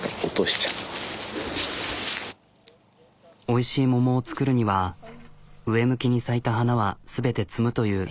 おいしい桃を作るには上向きに咲いた花は全て摘むという。